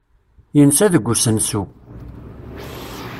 Yensa deg usensu.